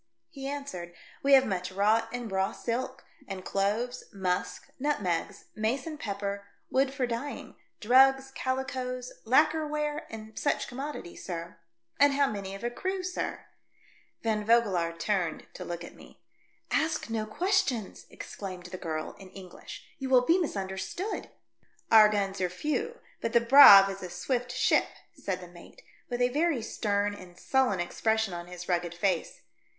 He answered, "We have much wrought and raw silk, and cloves, musk, nutmegs, mace and pepper, wood for dyeing, drugs, cali coes, lacker ware and such commodities, sir." " And how many of a crew, sir ?" 122 THE DEATH SHIP. Van Vogelaar turned to look at me. "Ask no questions," exclaimed the girl in English. "You will be misunderstood." "Our guns are few, but the Braave is a swift ship," said the mate, with a very stern and sullen expression on his rugged face.